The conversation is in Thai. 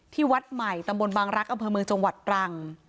วัดใหม่ตำบลบางรักษ์อำเภอเมืองจังหวัดตรัง